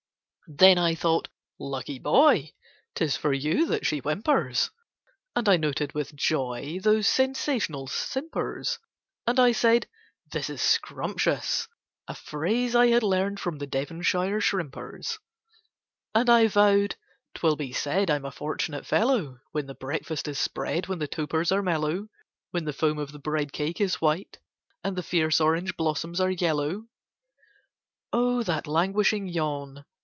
[Picture: On this spot ...] Then I thought "Lucky boy! 'Tis for you that she whimpers!" And I noted with joy Those sensational simpers: And I said "This is scrumptious!"—a phrase I had learned from the Devonshire shrimpers. And I vowed "'Twill be said I'm a fortunate fellow, When the breakfast is spread, When the topers are mellow, When the foam of the bride cake is white, and the fierce orange blossoms are yellow!" O that languishing yawn!